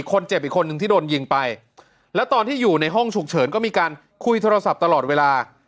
คนเจ็บอีกคนนึงที่โดนยิงไปแล้วตอนที่อยู่ในห้องฉุกเฉินก็มีการคุยโทรศัพท์ตลอดเวลา